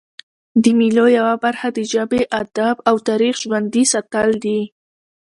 د مېلو یوه برخه د ژبي، ادب او تاریخ ژوندي ساتل دي.